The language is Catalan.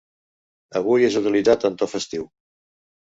Avui és utilitzat en to festiu.